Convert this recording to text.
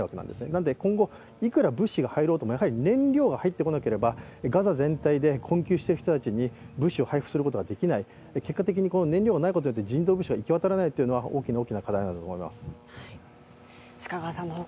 なので、今後いくら物資が入ろうとも燃料が入ってこなければガザ全体で困窮している人たちに物資を配給することができない結果的に燃料が来ないことによって人道物資が行き渡らないというのは大きな課題だと思います。